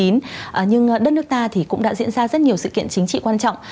nhưng đất nước ta thì cũng đã diễn ra rất nhiều sự kiện chính trị quan trọng